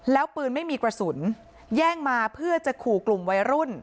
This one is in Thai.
แล้วปืนไม่มีกระสุนแย่งมาเพื่อจะขู่กลุ่มวัยรุ่น